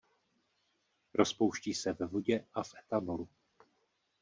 Rozpouští se ve vodě a v ethanolu.